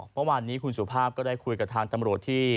เมื่อวานนี้คุณสุภาพก็ได้คุยกับทางตำรวจที่